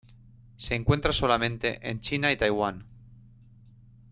Se encuentra solamente en China y Taiwan.